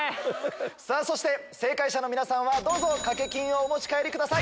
さぁそして正解者の皆さんはどうぞ賭け金をお持ち帰りください。